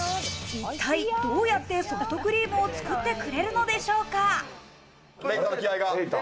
一体どうやってソフトクリームを作ってくれるのでしょうか。